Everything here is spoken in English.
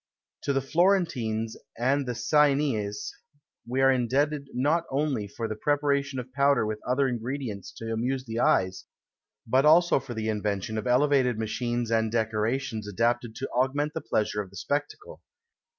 To the Florentines and the Siennese are we indebted not only for the preparation of powder with other ingredients to amuse the eyes, but also for the invention of elevated machines and decorations adapted to augment the pleasure of the spectacle.